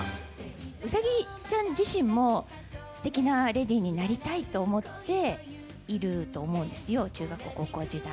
うさぎちゃん自身も、すてきなレディーになりたいと思っていると思うんですよ、中学校、高校時代。